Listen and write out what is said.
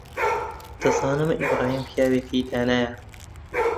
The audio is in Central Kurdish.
دەزانم ئیبراهیم پیاوێکی دانایە.